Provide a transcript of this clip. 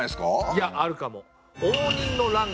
いやあるかも。